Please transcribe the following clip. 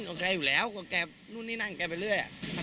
กับแกอยู่แล้วกับแกนู่นนี่นั่นกับแกไปเรื่อยอะ